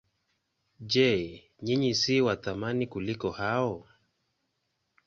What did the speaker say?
Je, ninyi si wa thamani kuliko hao?